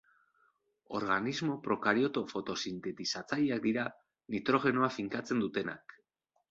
Organismo prokarioto fotosintetizatzaileak dira, nitrogenoa finkatzen dutenak.